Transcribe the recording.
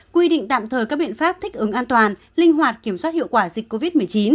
quy định tạm thời các biện pháp thích ứng an toàn linh hoạt kiểm soát hiệu quả dịch covid một mươi chín